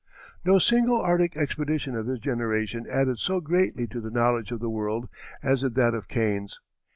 No single Arctic expedition of his generation added so greatly to the knowledge of the world as did that of Kane's.